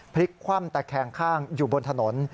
พลิกคว่ำตะแคงข้างอยู่บนถนน